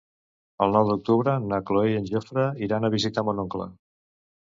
El nou d'octubre na Cloè i en Jofre iran a visitar mon oncle.